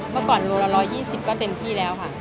เมื่อก่อนโลละ๑๒๐ก็เต็มที่แล้วค่ะ